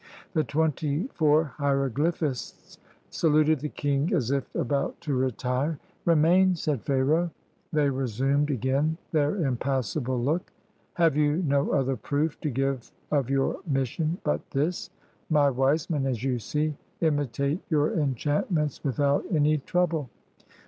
The twenty four hieroglyphists saluted the king as if about to retire. "Remain," said Pharaoh. They resumed again their impassible look. " Have you no other proof to give of your mission but this? My wise men, as you see, imitate your enchant ments without any trouble."